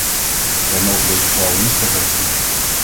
Wij mogen deze vrouwen niet vergeten.